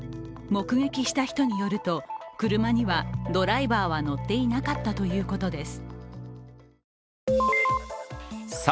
目撃した人によると、車にはドライバーは乗っていなかったということです。